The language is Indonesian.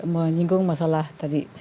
menyinggung masalah tadi